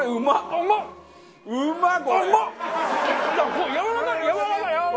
うまい！